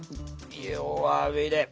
弱火で。